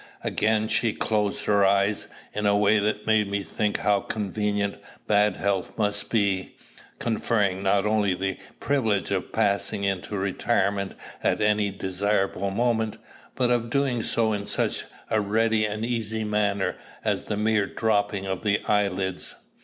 Again she closed her eyes, in a way that made me think how convenient bad health must be, conferring not only the privilege of passing into retirement at any desirable moment, but of doing so in such a ready and easy manner as the mere dropping of the eyelids.